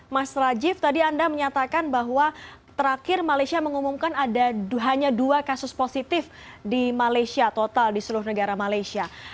mas rajiv tadi anda menyatakan bahwa terakhir malaysia mengumumkan ada hanya dua kasus positif di malaysia total di seluruh negara malaysia